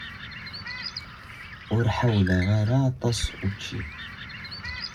Ur ḥawleɣ ara aṭas učči.